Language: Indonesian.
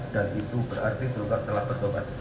dan itu berarti tergugat telah berdobat